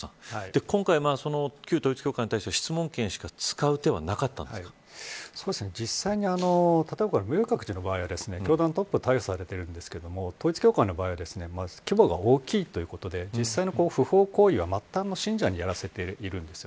今回、旧統一教会に対しては質問権しか使う手は実際に例えば明覚寺の場合は教団トップが逮捕されてるんですけど統一教会の場合は規模が大きいということで実際の不法行為は末端の信者にやらせているんです。